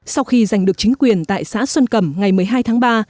sau khi giành được chính quyền tại xã xuân cẩm ngày một mươi hai tháng ba